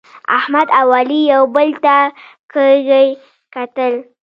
احمد او علي یو بل ته کږي کتل.